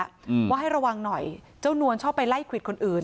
อืมว่าให้ระวังหน่อยเจ้านวลชอบไปไล่ควิดคนอื่น